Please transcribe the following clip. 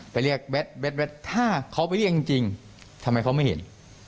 ไปเรียกถ้าเขาไปเรียกจริงทำไมเขาไม่เห็น